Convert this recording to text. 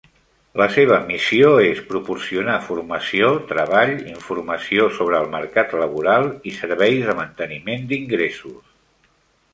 La seva missió és proporcionar formació, treball, informació sobre el mercat laboral i serveis de manteniment d'ingressos.